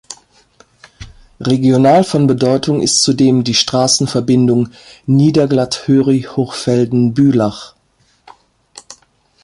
Regional von Bedeutung ist zudem die Strassenverbindung Niederglatt–Höri–Hochfelden–Bülach.